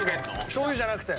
しょう油じゃなくて。